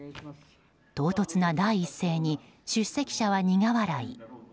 唐突な第一声に出席者は苦笑い。